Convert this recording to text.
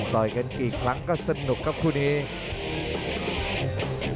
ต่อยกันกี่ครั้งก็สนุกครับคู่นี้